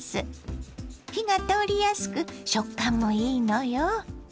火が通りやすく食感もいいのよ。